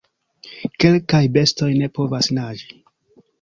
Kelkaj bestoj ne povas naĝi.